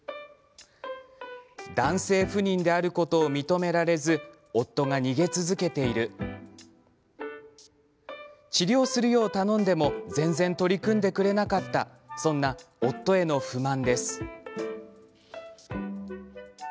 男性不妊であることを認められず夫が逃げ続けている治療するよう頼んでも全然取り組んでくれなかったそんな夫への不満です。